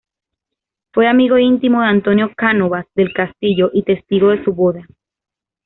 Fue amigo íntimo de Antonio Cánovas del Castillo, y testigo de su boda.